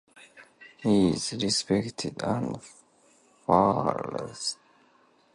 He is respected and feared.